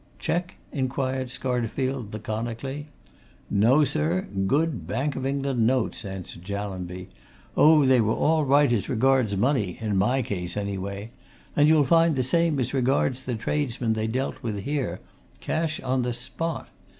"Cheque?" inquired Scarterfield, laconically. "No, sir good Bank of England notes," answered Jallanby. "Oh, they were all right as regards money in my case, anyway. And you'll find the same as regards the tradesmen they dealt with here cash on the spot.